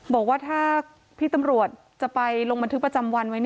บอกว่าถ้าพี่ตำรวจจะไปลงบันทึกประจำวันไว้